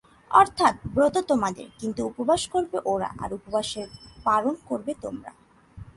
অর্থাৎ ব্রত তোমাদের, কিন্তু উপবাস করবে ওরা, আর উপবাসের পারণ করবে তোমরা।